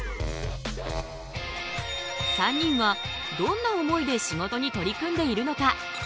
３人はどんな思いで仕事に取り組んでいるのか。